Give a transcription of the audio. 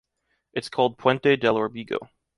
It's called Puente del Órbigo.